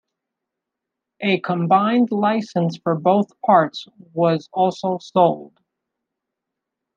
A combined license for both parts was also sold.